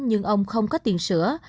nhưng ông không có tiền sửa